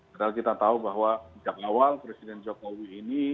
karena kita tahu bahwa sejak awal presiden jokowi ini